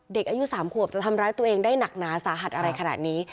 เด็กอายุ๓ขวบจะทำร้ายตัวเองได้หนักหนาสาหัสอะไรขนาดนี้